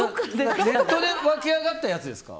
ネットで沸き上がったやつですか。